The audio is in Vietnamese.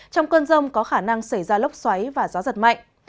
trong cơn rông có khả năng xảy ra lốc xoáy và gió giật mạnh